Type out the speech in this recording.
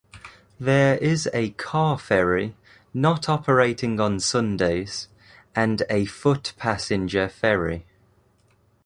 There is a car ferry, not operating on Sundays, and a foot passenger ferry.